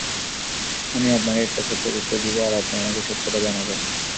আমি আপনাকে একটা ছোট্ট তথ্য দেবো, আর আপনি আমাকে সত্যটা জানাবেন।